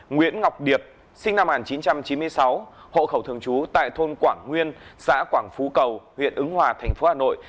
nguyễn ngọc điệp sinh năm một nghìn chín trăm chín mươi sáu hộ khẩu thường trú tại thôn quảng nguyên xã quảng phú cầu huyện ứng hòa thành phố hà nội